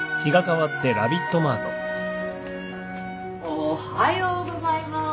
おはようございます。